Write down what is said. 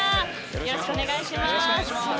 よろしくお願いします。